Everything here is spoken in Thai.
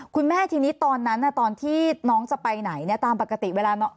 คุณแม่ทีนี้ตอนนั้นตอนที่น้องจะไปไหนเนี่ยตามปกติเวลาน้อง